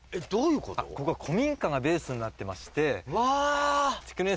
ここは古民家がベースになってまして。